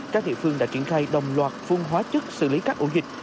các địa phương đã triển khai đồng loạt phun hóa chất xử lý các ổ dịch